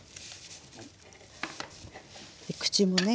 口もね